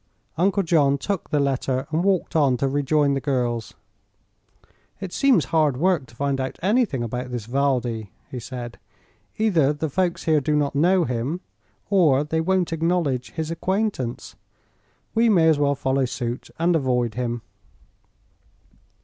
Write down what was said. Uncle John took the letter and walked on to rejoin the girls. "It seems hard work to find out anything about this Valdi," he said. "Either the folks here do not know him, or they won't acknowledge his acquaintance. We may as well follow suit, and avoid him."